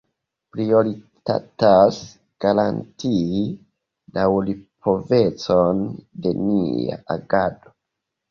Prioritatas garantii daŭripovecon de nia agado.